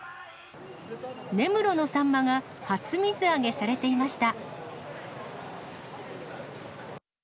根室のサンマが初水揚げされていました。